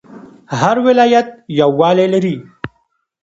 هر ولایت یو والی لري